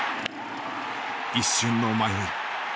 一瞬の迷い。